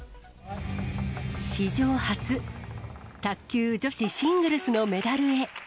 史上初、卓球女子シングルスのメダルへ。